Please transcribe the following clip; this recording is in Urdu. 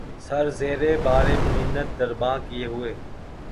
سر زیرِ بارِ منت درباں کیے ہوئے